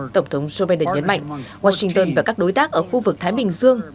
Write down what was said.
tổng thống joe biden nhấn mạnh washington và các đối tác ở khu vực thái bình dương